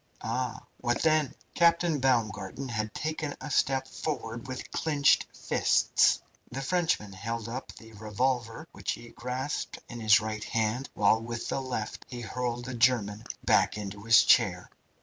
Ah! what then?" Captain Baumgarten had taken a step forward with clenched fists. The Frenchman held up tho revolver which he grasped in his right hand, while with the left he hurled the German back into his chair.